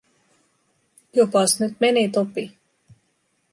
Jopas nyt meni Topi.